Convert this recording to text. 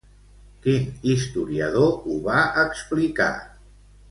Quin historiador ho va explicar?